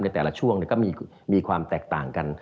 ในแต่ละช่วงเนี่ยก็มีความแตกต่างกัน